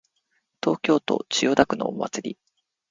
東京都千代田区のお祭り